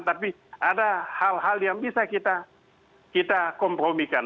tapi ada hal hal yang bisa kita kompromikan